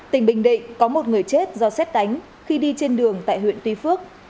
tỉnh bình định có một người chết do xét đánh khi đi trên đường tại huyện tuy phước